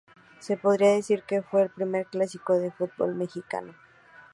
Se podría decir que fue el primer clásico del fútbol mexicano.